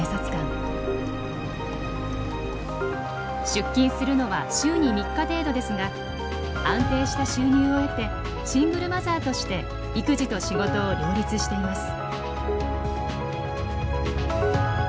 出勤するのは週に３日程度ですが安定した収入を得てシングルマザーとして育児と仕事を両立しています。